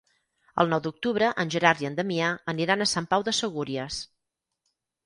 El nou d'octubre en Gerard i en Damià aniran a Sant Pau de Segúries.